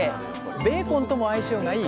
ベーコンとも相性がいい